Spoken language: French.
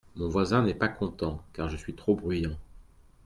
Mon voisin n’est pas content car je suis trop bruyant.